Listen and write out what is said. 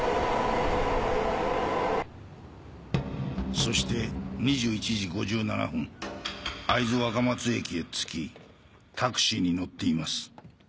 そして２１時５７分会津若松駅へ着きタクシーに乗っています。